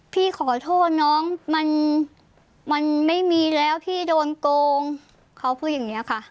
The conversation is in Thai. พี่ขอโทษน้องมันไม่มีแล้วพี่โดนโกงเขาพูดอย่างนี้ค่ะ